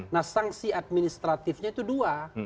nah sanksi administratifnya itu dua